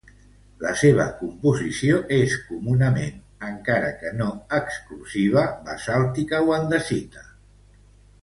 La seva composició és comunament, encara que no exclusiva, basàltica o andesita.